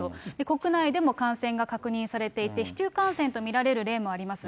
国内でも感染が確認されていて、市中感染と見られる例もあります。